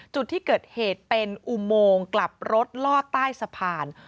จุดที่เกิดเหตุเป็นอุโมงกลับรถลอดใต้สะพาน